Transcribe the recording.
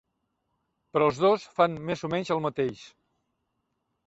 Però els dos fan més o menys el mateix.